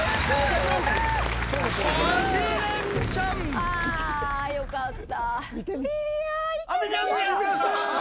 あよかった。